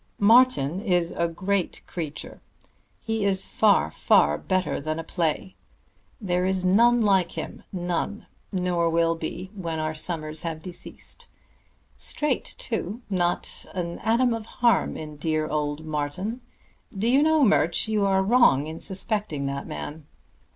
"Martin is a great creature," he said. "He is far, far better than a play. There is none like him, none nor will be when our summers have deceased. Straight, too: not an atom of harm in dear old Martin. Do you know, Murch, you are wrong in suspecting that man."